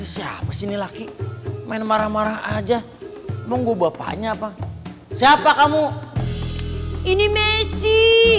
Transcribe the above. siapa sih ini laki main marah marah aja mau gue bapaknya apa siapa kamu ini messi